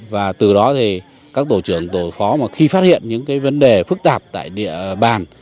và từ đó thì các tổ trưởng tổ phó khi phát hiện những vấn đề phức tạp tại địa bàn